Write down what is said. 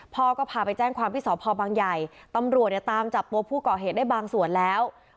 พอก็พาไปแจ้งความพิสอบพอบังใหญ่ตำรวจตามจับปวบผู้เกาะเหตุได้บางส่วนแล้ว